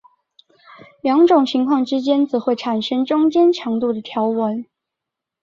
两种情况之间则会产生中间强度的条纹。